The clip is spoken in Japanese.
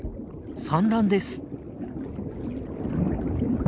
産卵です。